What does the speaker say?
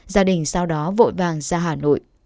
gia đình sau đó vội vàng ra hà nội